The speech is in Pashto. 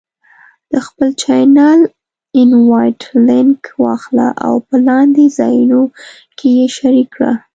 د خپل چینل Invite Link واخله او په لاندې ځایونو کې یې شریک کړه: